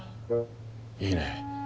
いいね！